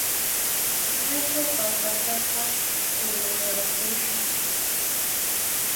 Ñachá papataqa kururanpushan!